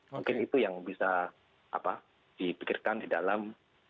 mungkin itu yang bisa dipikirkan di dalam